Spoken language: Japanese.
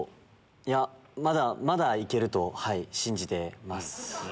いやまだ行けると信じてます。